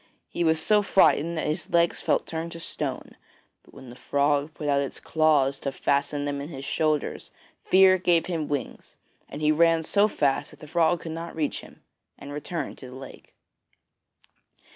He was so frightened that his legs felt turned to stone; but when the frog put out its claws to fasten them in his shoulders, fear gave him wings, and he ran so fast that the frog could not reach him, and returned to the lake.